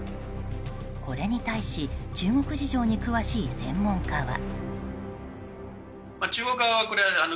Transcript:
これに対し中国事情に詳しい専門家は。